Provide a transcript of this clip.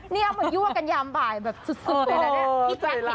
นี่เอาเหมือนยั่วกันยามบ่ายแบบสุดเลยนะ